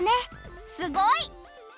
すごい！